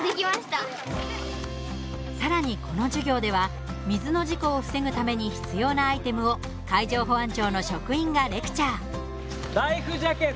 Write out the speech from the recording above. さらに、この授業では水の事故を防ぐために必要なアイテムを海上保安庁の職員がレクチャー。